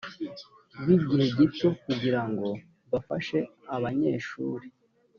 b igihe gito kugira ngo bafashe abanyeshuri